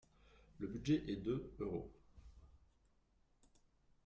Le budget est de €.